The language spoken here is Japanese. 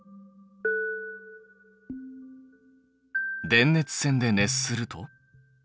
電熱線で熱すると？